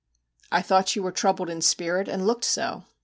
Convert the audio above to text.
' I thought you were troubled in spirit, and looked so.'